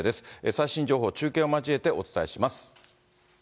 最新情報、中継を交えてお伝えします。